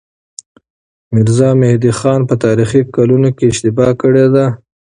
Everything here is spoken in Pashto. ميرزا مهدي خان په تاريخي کلونو کې اشتباه کړې ده.